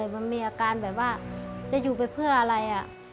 มันมีอาการแบบว่าจะอยู่ไปเพื่ออะไร